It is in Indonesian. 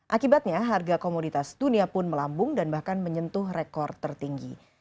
akibatnya harga komoditas dunia pun melambung dan bahkan menyentuh rekor tertinggi